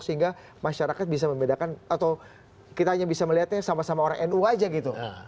sehingga masyarakat bisa membedakan atau kita hanya bisa melihatnya sama sama orang nu aja gitu